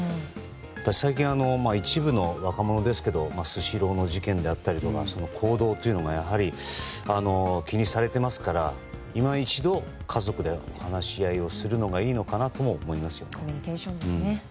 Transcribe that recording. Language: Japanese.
最近、一部の若者ですけどスシローの事件であったりとか行動というのが気にされていますから今一度、家族で話し合いをするのがいいのかなと思いますね。